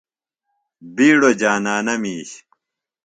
بِیڈوۡ جانانہ میِش۔